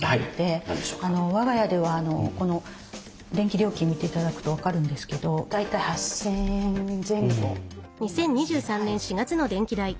我が家ではこの電気料金見て頂くと分かるんですけど大体８，０００円前後になります。